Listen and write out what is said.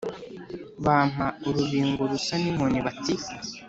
Bampa urubingo rusa n’inkoni bati